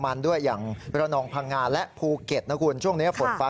มันด้วยอย่างระนองพังงาและภูเก็ตนะคุณช่วงนี้ฝนฟ้า